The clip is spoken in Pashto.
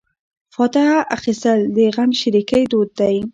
فاتحه اخیستل د غمشریکۍ دود دی.